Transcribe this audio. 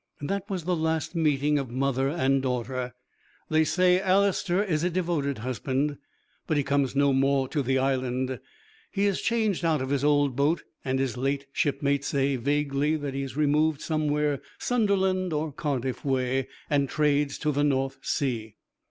That was the last meeting of mother and daughter. They say Alister is a devoted husband, but he comes no more to the Island. He has changed out of his old boat, and his late shipmates say vaguely that he has removed somewhere Sunderland or Cardiff way, and trades to the North Sea.